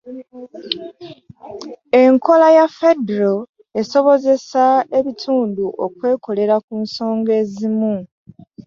Enkola ya ffedero esobozesa ebitundu okwekolera ku nsonga ezimu